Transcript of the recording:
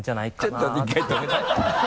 ちょっと１回止めて。